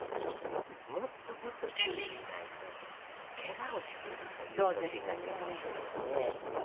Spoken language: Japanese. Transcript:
もっともっと注意しないとけがをするという年になってきましたからね。